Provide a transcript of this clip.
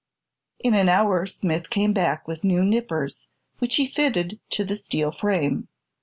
In an hour Smith came back with new nippers, which he fitted to the steel frame.